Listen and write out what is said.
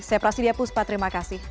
saya prasidya puspa terima kasih